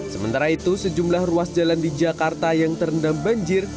sementara itu sejumlah ruas jalan di jakarta yang terendam banjir